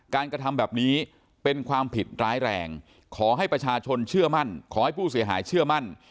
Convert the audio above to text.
กระทำแบบนี้เป็นความผิดร้ายแรงขอให้ประชาชนเชื่อมั่นขอให้ผู้เสียหายเชื่อมั่น